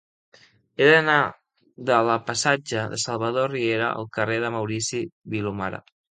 He d'anar de la passatge de Salvador Riera al carrer de Maurici Vilomara.